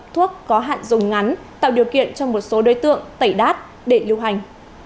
thuốc có hạn dùng ngắn tạo điều kiện cho một số đối tượng tẩy đát để lưu hành